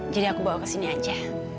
jadi aku bawa kesini aja